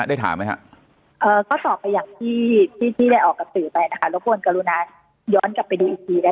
ได้ถามไหมฮะเอ่อก็สอบไปอย่างที่ที่ได้ออกกับสื่อไปนะคะรบกวนกรุณาย้อนกลับไปดูอีกทีนะคะ